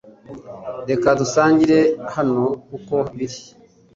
Reka dusangire hano uko biri